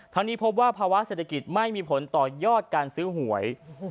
นี้พบว่าภาวะเศรษฐกิจไม่มีผลต่อยอดการซื้อหวย